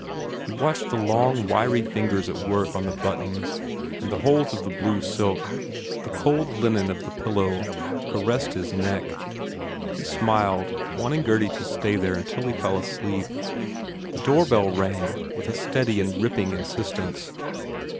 He watched the long, wiry fingers at work on the buttons and the holes of the blue silk. The cold linen of the pillow" caressed his neck. He smiled, wanting Gurdy to stay there until he fell asleep. The doorbell rang with a steady and ripping insistence.